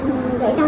thì nó lại trúng